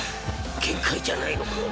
限界じゃないのか？